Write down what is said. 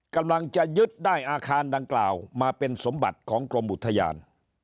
กำลังจะยึดได้อาคารดังกล่าวมาเป็นสมบัติของกรมอุทยาน